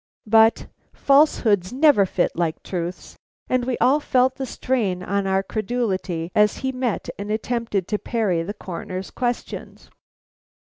But falsehoods never fit like truths, and we all felt the strain on our credulity as he met and attempted to parry the Coroner's questions.